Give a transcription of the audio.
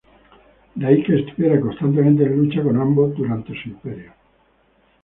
De ahí que estuviera constantemente en lucha con ambos durante su imperio.